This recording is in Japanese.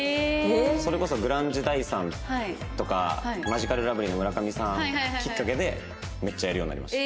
それこそグランジ大さんとかマヂカルラブリーの村上さんきっかけでめっちゃやるようになりました。